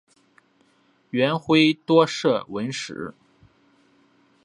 元晖多涉文史。